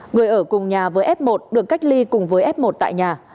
người ở cùng nhà với f một được cách ly cùng với f một tại nhà